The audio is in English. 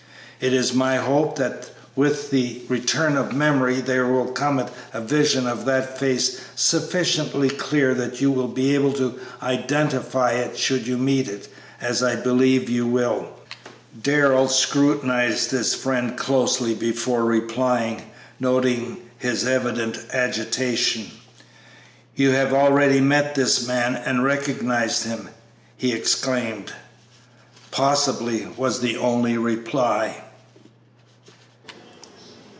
It is my hope that with the return of memory there will come a vision of that face sufficiently clear that you will be able to identify it should you meet it, as I believe you will." Darrell scrutinized his friend closely before replying, noting his evident agitation. "You have already met this man and recognized him!" he exclaimed. "Possibly!" was the only reply.